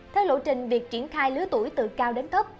theo lộ trình việc triển khai lứa tuổi từ cao đến thấp